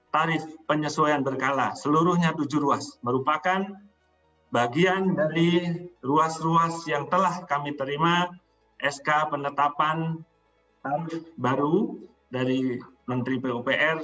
tarif penyesuaian berkala seluruhnya tujuh ruas merupakan bagian dari ruas ruas yang telah kami terima sk penetapan baru dari menteri pupr